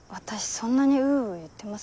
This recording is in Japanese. そんなに「うう」言ってます？